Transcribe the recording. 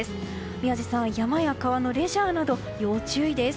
宮司さん、山や川のレジャーなど要注意です。